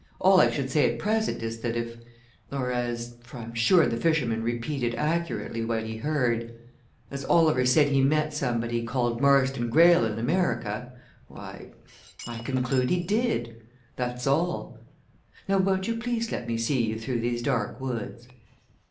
All I should say at present is that if or as, for I'm sure the fisherman repeated accurately what he heard as Oliver said he met somebody called Marston Greyle in America, why I conclude he did. That's all. Now, won't you please let me see you through these dark woods?"